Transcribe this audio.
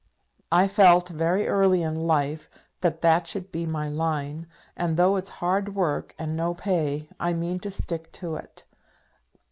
I felt, very early in life, that that should be my line; and though it's hard work and no pay, I mean to stick to it.